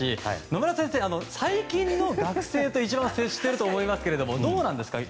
野村先生、最近の学生と一番接していると思いますがどうなんですか？